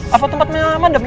apa tempat madam ini